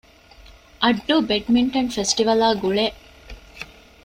އައްޑޫ ބެޑްމިންޓަން ފެސްޓިވަލާގުޅޭ